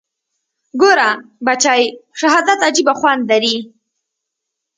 ګوره بچى شهادت عجيبه خوند لري.